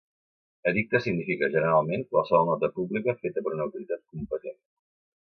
Edicte significa, generalment, qualsevol nota pública feta per una autoritat competent.